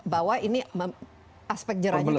bahwa ini aspek jerah itu ada